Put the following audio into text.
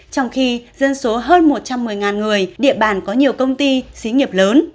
trong khi dân số hơn một trăm một mươi người địa bàn có nhiều công ty xí nghiệp lớn